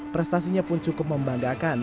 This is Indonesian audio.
prestasinya pun cukup membanggakan